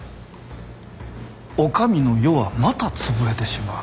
お上の世はまた潰れてしまう。